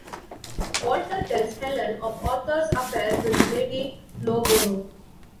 Walter tells Helen of Arthur's affair with Lady Lowborough.